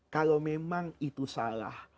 kalau memang itu salah